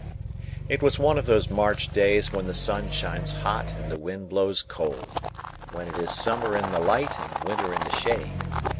It was one of those March days when the sun shines hot and the wind blows cold: when it is summer in the light, and winter in the shade.